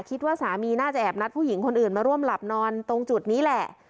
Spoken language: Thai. คิดว่าสามีน่าจะแอบนัดผู้หญิงคนอื่นมาร่วมหลับนอนตรงจุดนี้แหละ